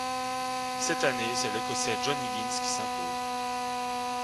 Cette année, c'est l'Écossais John Higgins qui s'impose.